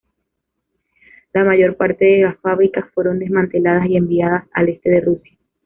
La mayor parte de las fábricas fueron desmanteladas y enviadas al este de Rusia.